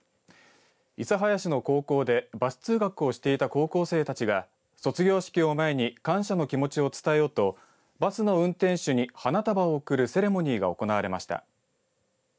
諫早市の高校でバス通学をしていた高校生たちが卒業式を前に感謝の気持ちを伝えようとバスの運転手に花束を贈るセレモニーが行われました。